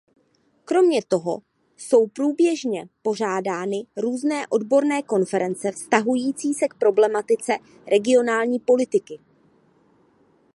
Kromě toho jsou průběžně pořádány různé odborné konference vztahující se k problematice regionální politiky.